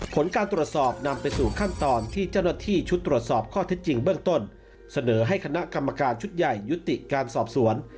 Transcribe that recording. ผลการตรวจสอบนำไปสู่ขั้นตอนที่เจ้าหน้าที่ชุดตรวจสอบข้อเท็จจริงเบื้องต้นเสนอให้คณะกรรมการชุดใหญ่ยุติการสอบสวน